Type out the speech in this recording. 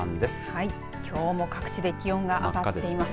はい、きょうも各地で気温が上がっています。